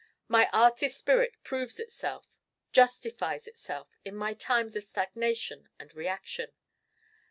My Artist spirit proves itself, justifies itself in my times of stagnation and reaction.